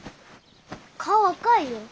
顔赤いよ。